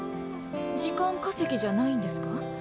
時間稼ぎじゃないんですか？